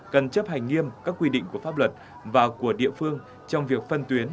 cần chấp hành nghiêm các quy định của pháp luật và của địa phương trong việc phân tuyến